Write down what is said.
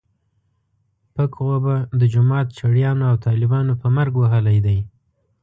پک غوبه د جومات چړیانو او طالبانو په مرګ وهلی دی.